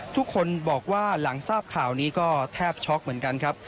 ทุกคนบอกว่าหลังทราบข่าวนี้ก็แทบช็อกเหมือนกันครับ